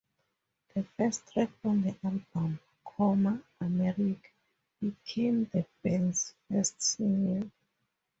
The first track on the album, "Coma America," became the band's first single.